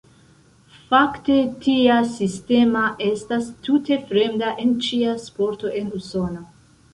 Fakte, tia sistema estas tute fremda en ĉia sporto en Usono.